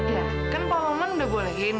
ya kan pak roman udah bolehin